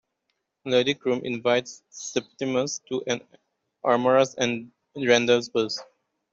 Lady Croom invites Septimus to an amorous rendezvous.